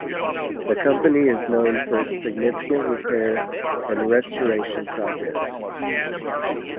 The company is known for its significant repair and restoration projects.